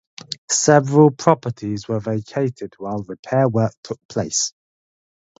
Several properties were vacated while repair work took place.